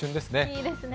いいですね。